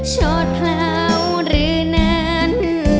โชดเพลาหรือนั้น